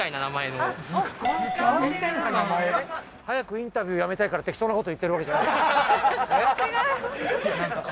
早くインタビューやめたいからよっしゃ！